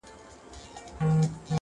ډېوې د اُمیدنو مو لا بلي دي ساتلي,